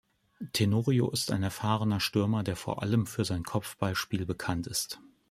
Tenorio ist ein erfahrener Stürmer, der vor allem für sein Kopfballspiel bekannt ist.